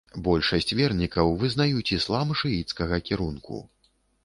Большасць вернікаў вызнаюць іслам шыіцкага кірунку.